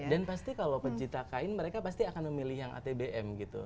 dan pasti kalau pencipta kain mereka pasti akan memilih yang atbm gitu